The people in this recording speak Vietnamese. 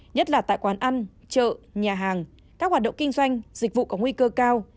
nhất là tại quán ăn chợ nhà hàng các hoạt động kinh doanh dịch vụ có nguy cơ cao